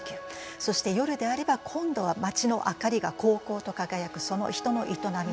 そして夜であれば今度は街の明かりがこうこうと輝くその人の営みの力強さ。